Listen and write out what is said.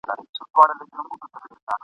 حاجي لالی اڅکزی په غزا کي برخه اخلي.